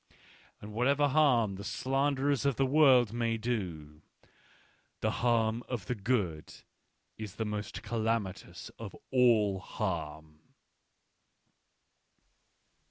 " And whatever harm the slanderers of the world may do, the harm of the good is the most calamitous of all harm?